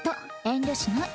遠慮しない。